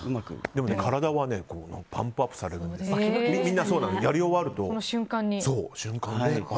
でも体はパンプアップされてやり終わるとその瞬間で。